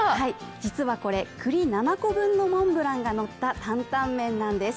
実はこれ、栗７個分のモンブランがのった担々麺なんです。